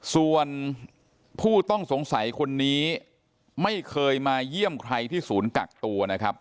ส่วนผู้ต้องสงสัยคนนี้ไม่เคยมาเยี่ยมใครที่ศูนย์กักตัวนะครับ